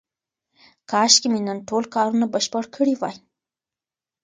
کاشکې مې نن ټول کارونه بشپړ کړي وای.